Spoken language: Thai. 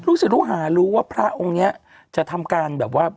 ศิลปหารู้ว่าพระองค์นี้จะทำการแบบว่า